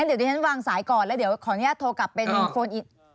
อ่ะงันวางสายก่อนแล้วะขอออนุญาตโทรกลับเป็นโฟน